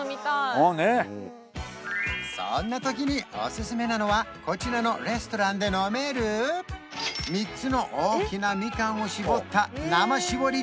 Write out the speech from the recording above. そんな時におすすめなのはこちらのレストランで飲める３つの大きなみかんを搾った生搾り